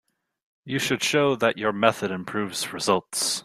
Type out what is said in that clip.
You should show that your method improves results.